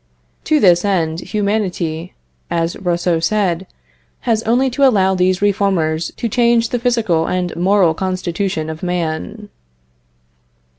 To this end humanity, as Rousseau said, has only to allow these reformers to change the physical and moral constitution of man.